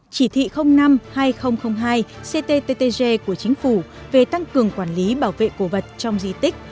chỉ thị năm hai nghìn hai cttg của chính phủ về tăng cường quản lý bảo vệ cổ vật trong di tích